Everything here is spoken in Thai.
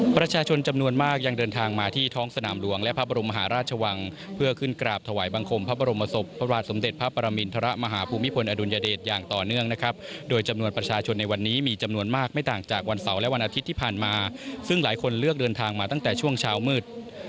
ประชาชนจำนวนมากยังเดินทางมาที่ท้องสนามหลวงและพระบรมมหาราชวังเพื่อขึ้นกราบถวายบังคมพระบรมศพพระบาทสมเด็จพระปรมินทรมาฮภูมิพลอดุลยเดชอย่างต่อเนื่องนะครับโดยจำนวนประชาชนในวันนี้มีจำนวนมากไม่ต่างจากวันเสาร์และวันอาทิตย์ที่ผ่านมาซึ่งหลายคนเลือกเดินทางมาตั้งแต่ช่วงเช้ามืด